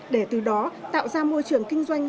để từ đó tạo ra môi trường kinh doanh